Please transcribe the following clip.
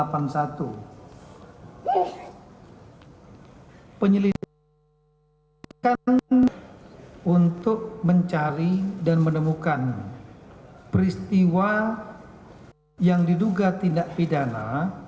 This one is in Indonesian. penyelidikan untuk mencari dan menemukan peristiwa yang diduga tindak pidana